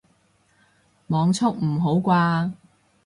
網速唔好啩